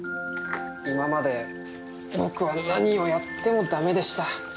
今まで僕は何をやってもダメでした。